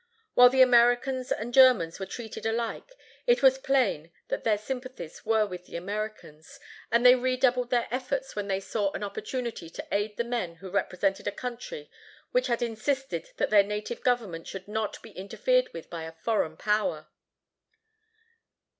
"While the Americans and Germans were treated alike, it was plain that their sympathies were with the Americans, and they redoubled their efforts when they saw an opportunity to aid the men who represented a country which had insisted that their native government should not be interfered with by a foreign power."